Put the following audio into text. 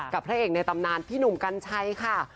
พระเอกในตำนานพี่หนุ่มกัญชัยค่ะ